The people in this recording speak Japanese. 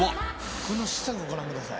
この下をご覧ください。